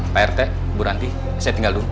pak rt buranti saya tinggal dulu